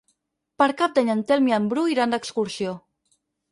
Per Cap d'Any en Telm i en Bru iran d'excursió.